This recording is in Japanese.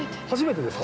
初めて。